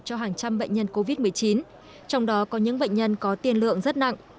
cho hàng trăm bệnh nhân covid một mươi chín trong đó có những bệnh nhân có tiền lượng rất nặng